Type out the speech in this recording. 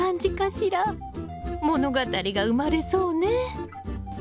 物語が生まれそうね！